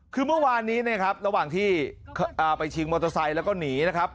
คือเมื่อวานนี้นะครับระหว่างที่ไปชิงมอเตอร์ไซค์แล้วก็หนีนะครับ